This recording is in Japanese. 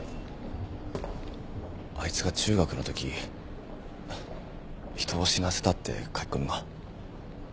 あいつが中学のとき人を死なせたって書き込みが。